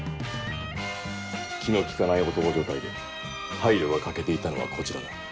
気の利かない男所帯で配慮が欠けていたのはこちらだ。